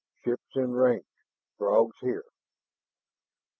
"Ship's in range. Throgs here."